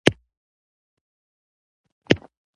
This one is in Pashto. چې فرعون او نمرود غوندې پاچاهۍ پاتې نه شوې.